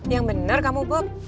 yang bener kamu bob